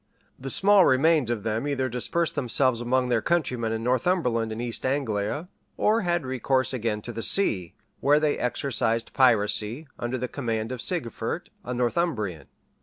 The small remains of them either dispersed themselves among their countrymen in Northumberland and East Anglia,[*] or had recourse again to the sea, where they exercised piracy, under the command of Sigefert, a Northumbrian. [* Chron.